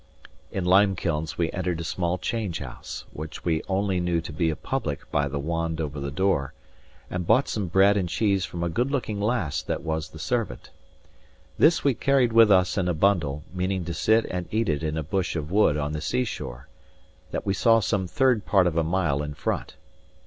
In Limekilns we entered a small change house, which we only knew to be a public by the wand over the door, and bought some bread and cheese from a good looking lass that was the servant. This we carried with us in a bundle, meaning to sit and eat it in a bush of wood on the sea shore, that we saw some third part of a mile in front.